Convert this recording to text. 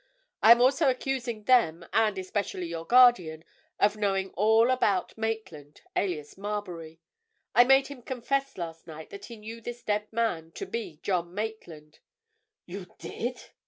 I am also accusing them, and especially your guardian, of knowing all about Maitland, alias Marbury. I made him confess last night that he knew this dead man to be John Maitland." "You did!"